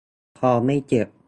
คอไม่เจ็บ